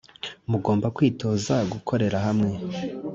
mugomba kwitoza gukorera hamwe